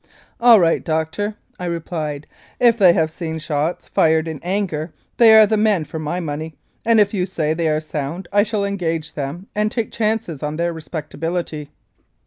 "All right, Doctor," I replied, "if they have seen shots fired in anger they are the men for my money, and if you say they are sound I shall engage them and take chances on their respectability."